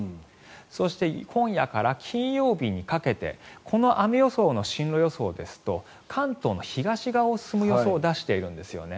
そして、今夜から金曜日にかけてこの雨予想の進路予想ですと関東の東側を進む予想を出しているんですよね。